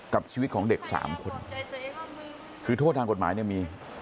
กับชีวิตของเด็กสามคนคือโทษทางกฎหมายเนี่ยมี